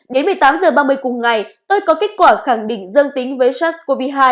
đến một mươi tám h ba mươi cùng ngày tôi có kết quả khẳng định dương tính với sars cov hai